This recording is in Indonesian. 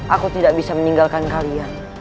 aku tidak bisa meninggalkan kalian